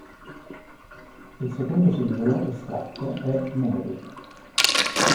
Il secondo singolo estratto è Mary.